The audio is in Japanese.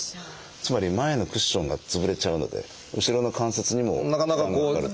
つまり前のクッションが潰れちゃうので後ろの関節にも負担がかかると。